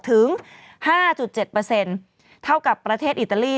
ถึง๕๗เท่ากับประเทศอิตาลี